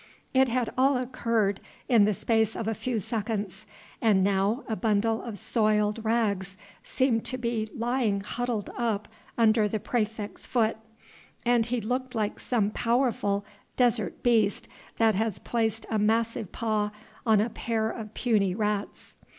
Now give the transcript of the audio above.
It had all occurred in the space of a few seconds, and now a bundle of soiled rags seemed to be lying huddled up under the praefect's foot, and he looked like some powerful desert beast that has placed a massive paw on a pair of puny rats.